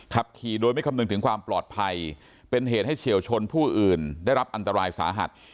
ขับขี่โดยไม่คำนึงถึงความปลอดภัยเป็นเหตุให้เฉียวชนผู้อื่นได้รับอันตรายสาหัส